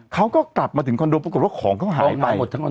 เขาก็กลับมาถึงคอนโดปรากฏว่าของเขาหายไปหมด